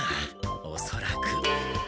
おそらく。